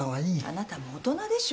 あなたも大人でしょ？